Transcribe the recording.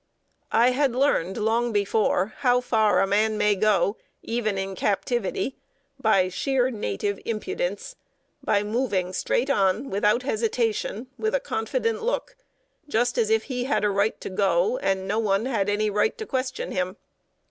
I had learned long before how far a man may go, even in captivity, by sheer, native impudence by moving straight on, without hesitation, with a confident look, just as if he had a right to go, and no one had any right to question him.